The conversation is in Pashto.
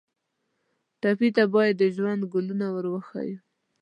ټپي ته باید د ژوند ګلونه ور وښیو.